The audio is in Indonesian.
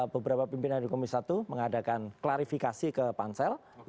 beberapa pimpinan dari komisi satu mengadakan klarifikasi ke pansal